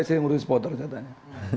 siapa pc yang ngurusin supporter saya tanya